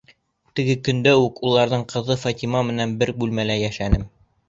Тәүге көндән үк уларҙың ҡыҙы Фатима менән бер бүлмәлә йәшәнем.